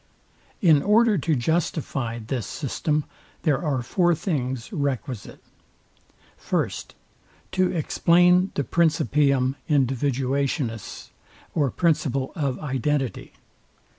In order to justify this system, there are four things requisite. First, To explain the PRINCIPIUM INDIVIDUATIONIS, or principle of identity.